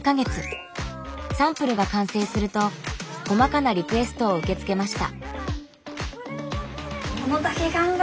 サンプルが完成すると細かなリクエストを受け付けました。